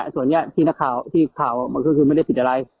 ส่วนนี้พี่นักข่าวคือไม่ได้ปิดอะไร